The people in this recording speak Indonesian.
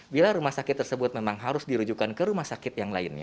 karena pasien tersebut memang harus dirujukan ke rumah sakit yang lainnya